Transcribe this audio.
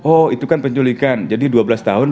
oh itu kan penculikan jadi dua belas tahun